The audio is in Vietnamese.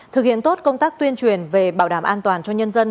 thực hiện tốt công tác tuyên truyền về bảo đảm an toàn cho nhân dân